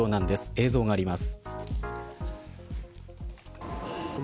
映像があります。